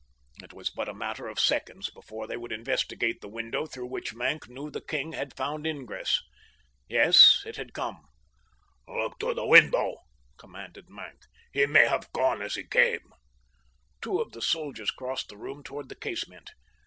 It was but a matter of seconds before they would investigate the window through which Maenck knew the king had found ingress. Yes! It had come. "Look to the window," commanded Maenck. "He may have gone as he came." Two of the soldiers crossed the room toward the casement.